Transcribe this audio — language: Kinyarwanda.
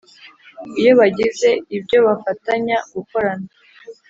iyo bagize ibyo bafatanya gukorana